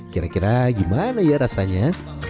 kira kira gimana ya rasanya